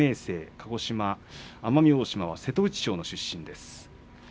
鹿児島奄美大島は瀬戸内町の出身です。